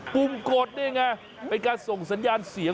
กลุ่มกดนี่ไงเป็นการส่งสัญญาณเสียง